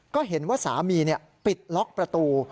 ก็เห็นว่าสามีปิดล็อกประตู